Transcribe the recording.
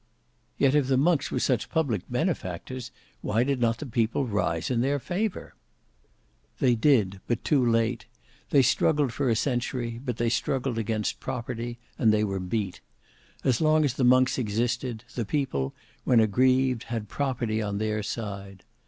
"Yet if the monks were such public benefactors, why did not the people rise in their favour?" "They did, but too late. They struggled for a century, but they struggled against property and they were beat. As long as the monks existed, the people, when aggrieved, had property on their side.